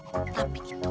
dia nggak ikut drain